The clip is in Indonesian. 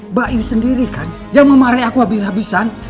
mbak i sendiri kan yang memarahi aku habis habisan